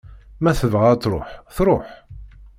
Ma tebɣa ad tṛuḥ, tṛuḥ.